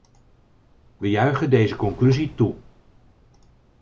We juichen deze conclusie toe.